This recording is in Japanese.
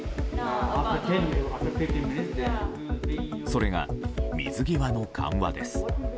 それが、水際の緩和です。